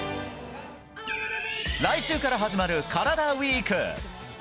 来週から始まるカラダＷＥＥＫ。